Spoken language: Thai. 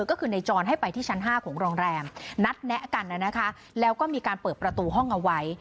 ก็คือในจรให้ไปที่ชั้น๕ของโรงแรมนัดแนะกันนะคะแล้วก็มีการเปิดประตูห้องเอาไว้